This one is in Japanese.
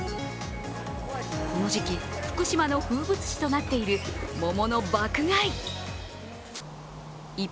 この時季、福島の風物詩となっている桃の爆買い。